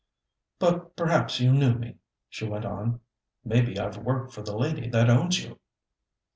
"But perhaps you knew me," she went on. "Maybe I've worked for the lady that owns you."